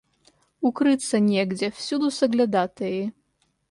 Укрыться негде, всюду соглядатаи.